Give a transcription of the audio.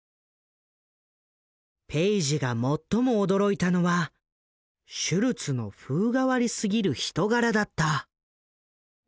ペイジが最も驚いたのはシュルツの風変わりすぎる人柄だった。